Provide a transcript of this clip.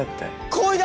恋だ！！